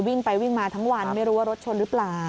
วิ่งไปวิ่งมาทั้งวันไม่รู้ว่ารถชนหรือเปล่า